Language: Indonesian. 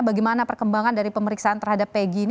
bagaimana perkembangan dari pemeriksaan terhadap pegi ini